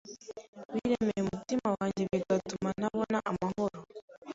biremereye umutima wanjye bigatuma ntabona amahoro,